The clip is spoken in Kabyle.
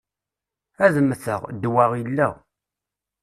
Ad mmteɣ, ddwa illa.